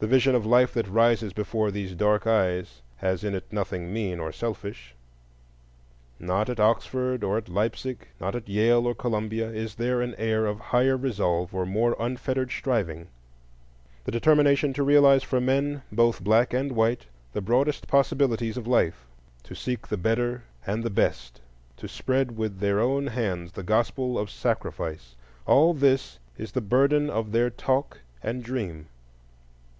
The vision of life that rises before these dark eyes has in it nothing mean or selfish. Not at Oxford or at Leipsic, not at Yale or Columbia, is there an air of higher resolve or more unfettered striving; the determination to realize for men, both black and white, the broadest possibilities of life, to seek the better and the best, to spread with their own hands the Gospel of Sacrifice,—all this is the burden of their talk and dream.